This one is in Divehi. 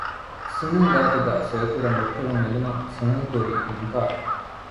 ސުނިލް ގާތުގައި ސޮއިކުރަން ޑޮކުޓަރުން އެދުމުން ސުނިލް ކުރީ އިންކާރު